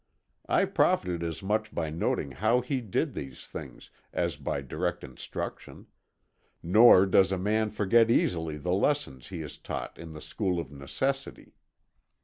I profited as much by noting how he did these things, as by direct instruction. Nor does a man forget easily the lessons he is taught in the school of necessity.